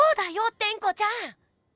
テンコちゃん！